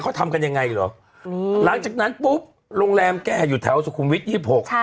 เขาทำกันยังไงเหรออืมหลังจากนั้นปุ๊บโรงแรมแก้อยู่แถวสุขุมวิทยี่สิบหกค่ะ